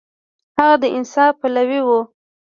هغه د انصاف پلوی و.